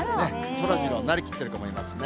そらジローになりきっている子もいますね。